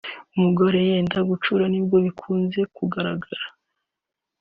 umugore yenda gucura nibwo bikunze kugaragara